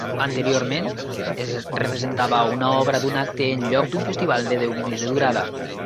Anteriorment es representava una obra d'un acte en lloc d'un festival de deu minuts de durada.